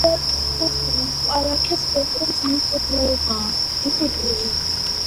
თრიალეთის კულტურა მტკვარ-არაქსის კულტურის მემკვიდრეა.